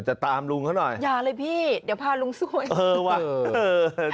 จะตามลุงเขาหน่อยอย่าเลยพี่เดี๋ยวพาลุงซวยเออว่ะเดี๋ยวพาลุงเขยัด